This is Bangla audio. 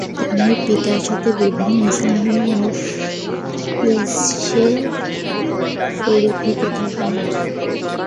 তিনি পিতার সাথে বিভিন্ন ইলমী মজলিসে শরীক হতে থাকলেন।